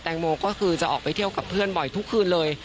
งโมก็คือจะออกไปเที่ยวกับเพื่อนบ่อยทุกคืนเลย